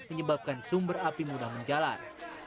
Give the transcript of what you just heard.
menyebabkan sumber api mudah menjalar